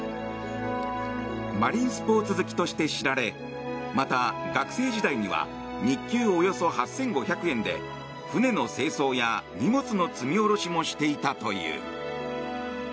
マリンスポーツ好きとして知られまた、学生時代には日給およそ８５００円で船の清掃や荷物の積み下ろしもしていたという。